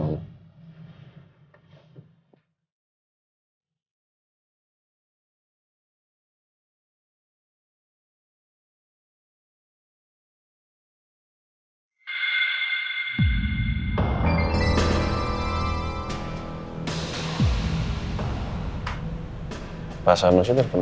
aku penyimpin boleh sebentar ya